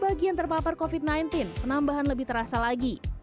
bagian terpapar covid sembilan belas penambahan lebih terasa lagi